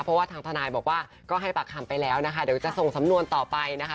เพราะว่าทางทนายบอกว่าก็ให้ปากคำไปแล้วนะคะเดี๋ยวจะส่งสำนวนต่อไปนะคะ